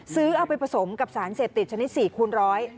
ซื้อเอาไปผสมกับสารเสพติดชนิด๔คูณร้อย